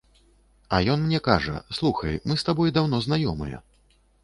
А ён мне кажа, слухай, мы з табой даўно знаёмыя.